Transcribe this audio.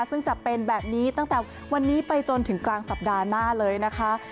ซึ่งจะเป็นแบบนี้ตั้งแต่วันนี้ไปจนถึงกลางสัปดาห์หน้าเลยนะคะ